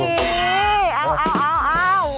นี่เอาคุณพูดไว้แล้ว